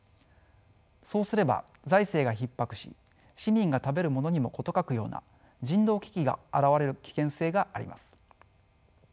そうすれば財政がひっ迫し市民が食べるものにも事欠くような人道危機が現れる危険性があります。